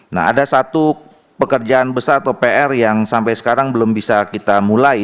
nah ada satu pekerjaan besar atau pr yang sampai sekarang belum bisa kita mulai